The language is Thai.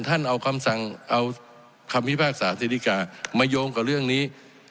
ท่านเอาคำสั่งเอาคำพิพากษาสิริกามาโยงกับเรื่องนี้